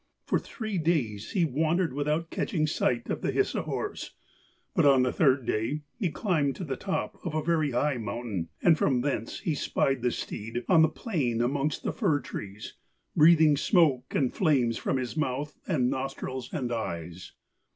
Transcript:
For three days he wandered without catching sight of the Hisi horse, but on the third day he climbed to the top of a very high mountain, and from thence he spied the steed on the plain amongst the fir trees, breathing smoke and flames from his mouth and nostrils and eyes.